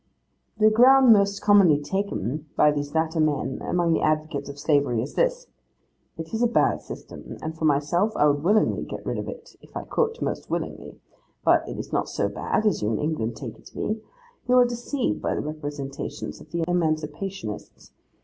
The ground most commonly taken by these better men among the advocates of slavery, is this: 'It is a bad system; and for myself I would willingly get rid of it, if I could; most willingly. But it is not so bad, as you in England take it to be. You are deceived by the representations of the emancipationists.